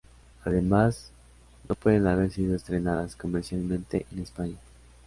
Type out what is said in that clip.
Además, no pueden haber sido estrenadas comercialmente en España.